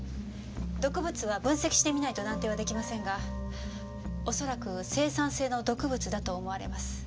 毒物は分析してみないと断定はできませんがおそらく青酸性の毒物だと思われます。